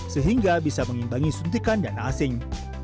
sehingga bisa mengimbangi suntikan dana asing